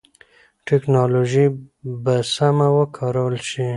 ټکنالوژي به سمه وکارول شي.